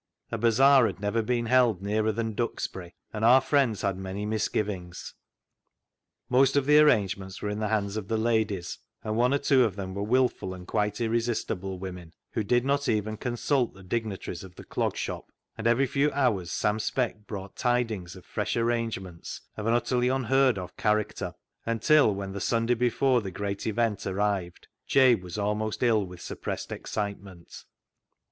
A bazaar had never been held nearer than Duxbury, and our friends had many misgivings. Most of the arrangements were in the hands of the ladies, and one or two of them were wilful and quite irresistible women, who did not even consult the digni taries of the Clog Shop, and every few hours Sam Speck brought tidings of fresh arrange ments of an utterly unheard of character, until, when the Sunday before the great event arrived, Jabe was almost ill with suppressed excitement.